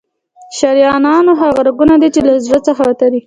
شریانونه هغه رګونه دي چې له زړه څخه وتلي.